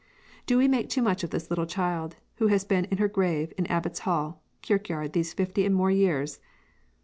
'" Do we make too much of this little child, who has been in her grave in Abbotshall. Kirkyard these fifty and more years?